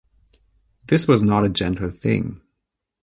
This was not a gentle thing.